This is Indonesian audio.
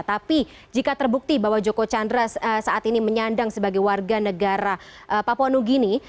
tapi jika terbukti bahwa joko chandra saat ini menyandang sebagai warga negara papua new guinea